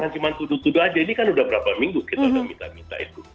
tidak ini kan sudah beberapa minggu kita sudah minta minta itu